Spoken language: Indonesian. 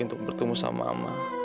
untuk bertemu sama mama